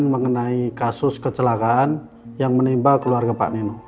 mengenai kasus kecelakaan yang menimba keluarga pak nino